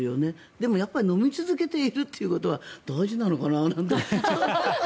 でも、やっぱり飲み続けているということは大事なのかななんて。